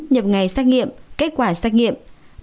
bốn nhập ngày xét nghiệm kết quả xét nghiệm